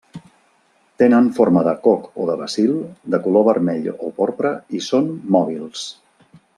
Tenen forma de coc o de bacil, de color vermell o porpra i són mòbils.